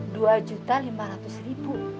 dua juta lima ratus ribu